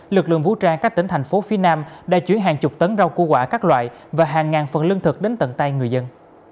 lực lượng vũ trang các tỉnh thành phố phía nam đã chuyển hàng chục tấn rau củ quả các loại và hàng ngàn phần lương thực đến tận tay người dân